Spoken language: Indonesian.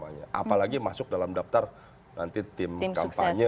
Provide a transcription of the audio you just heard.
apalagi masuk dalam daftar nanti tim kampanye